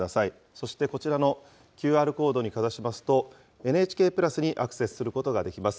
そしてこちらのＱＲコードにかざしますと、ＮＨＫプラスにアクセスすることができます。